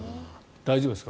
大丈夫ですか？